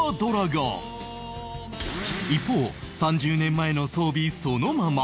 一方３０年前の装備そのまま